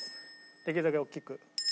できるだけ大きく。